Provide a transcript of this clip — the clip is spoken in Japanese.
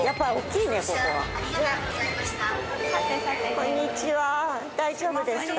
こんにちは大丈夫ですか？